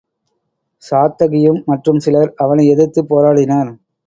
சாத்தகியும் மற்றும் சிலர் அவனை எதிர்த்துப் போராடினர்.